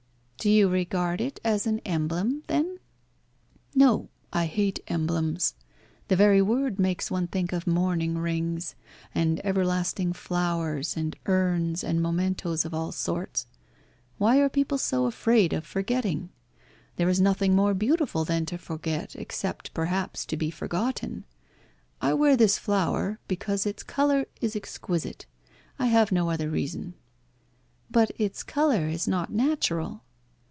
"Do you regard it as an emblem, then?" "No. I hate emblems. The very word makes one think of mourning rings, and everlasting flowers, and urns, and mementoes of all sorts. Why are people so afraid of forgetting? There is nothing more beautiful than to forget, except, perhaps, to be forgotten. I wear this flower because its colour is exquisite. I have no other reason." "But its colour is not natural."